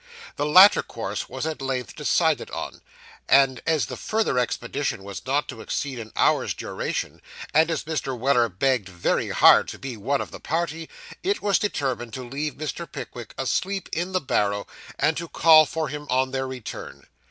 The latter course was at length decided on; and as the further expedition was not to exceed an hour's duration, and as Mr. Weller begged very hard to be one of the party, it was determined to leave Mr. Pickwick asleep in the barrow, and to call for him on their return.